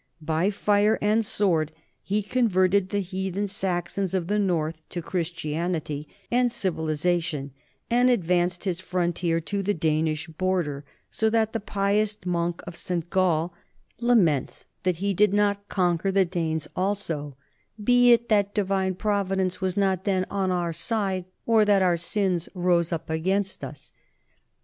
By fire and sword he converted the heathen Saxons of the north to Christianity and civilization and advanced his frontier to the Danish border, so that the pious monk of St. Gall laments that he did not conquer the Danes also "be it that Divine Providence was not then on our side, or that our sins rose up against us."